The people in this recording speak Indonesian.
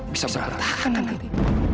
bisa bertahan nanti